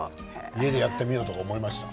家でやってみようと思いました？